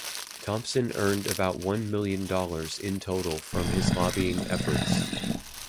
Thompson earned about one million dollars in total from his lobbying efforts.